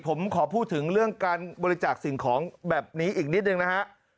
ผมขอพูดถึงเรื่องการบริจาคสิ่งของแบบนี้อีกนิดนึงนะฮะ